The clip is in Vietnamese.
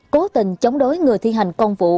cố tình chống đối người thi hành công vụ